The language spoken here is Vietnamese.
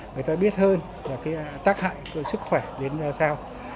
người ta biết hơn về tác hại sức khỏe đến sao